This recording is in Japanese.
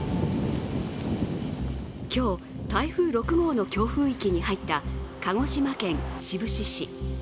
今日、台風６号の強風域に入った鹿児島県志布志市。